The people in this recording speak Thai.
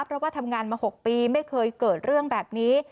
เพราะว่าทำงานมา๖ปีไม่เคยเกิดเรื่องแบบนี้